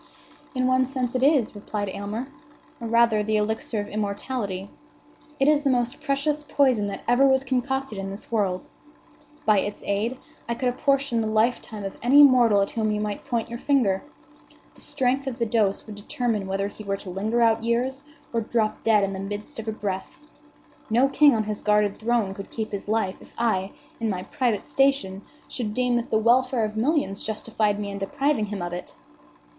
"In one sense it is," replied Aylmer; "or, rather, the elixir of immortality. It is the most precious poison that ever was concocted in this world. By its aid I could apportion the lifetime of any mortal at whom you might point your finger. The strength of the dose would determine whether he were to linger out years, or drop dead in the midst of a breath. No king on his guarded throne could keep his life if I, in my private station, should deem that the welfare of millions justified me in depriving him of it."